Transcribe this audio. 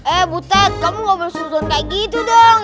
eh butet kamu gak boleh seuzon kayak gitu dong